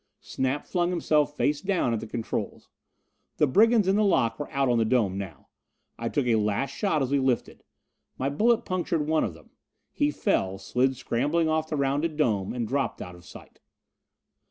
Snap flung himself face down at the controls. The brigands in the lock were out on the dome now. I took a last shot as we lifted. My bullet punctured one of them; he fell, slid scrambling off the rounded dome and dropped out of sight.